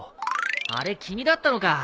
あれ君だったのか。